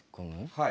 はい。